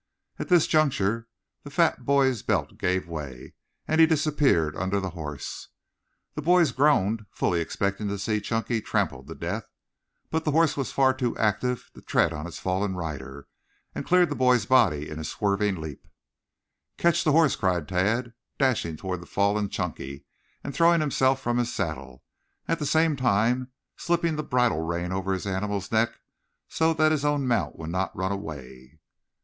At this juncture the fat boy's belt gave way, and he disappeared under the horse. The boys groaned, fully expecting to see Chunky trampled to death. But the horse was far too active to tread on its fallen rider, and cleared the boy's body in a swerving leap. "Catch the horse!" cried Tad, dashing toward the fallen Chunky and throwing himself from his saddle, at the same time slipping the bridle rein over his animal's neck so that his own mount would not run away.